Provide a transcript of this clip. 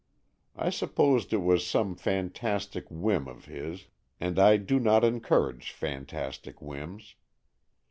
I supposed it was some fantastic whim of his, and I do not encourage fantastic whims.